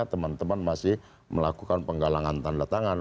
teman teman masih melakukan penggalangan tanda tangan